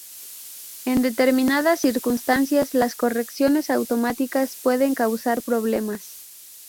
En determinadas circunstancias, las correcciones automáticas pueden causar problemas.